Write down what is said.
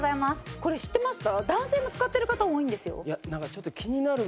これ知ってました？